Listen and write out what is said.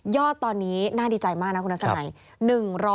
ยอดตอนนี้น่าดีใจมากนะคุณนักศักดิ์ไหน